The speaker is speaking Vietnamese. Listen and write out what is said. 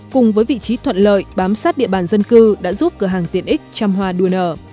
cùng với vị trí thuận lợi bám sát địa bàn dân cư đã giúp cửa hàng tiện ích trăm hoa đua nở